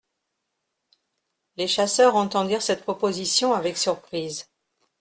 Les chasseurs entendirent cette proposition avec surprise.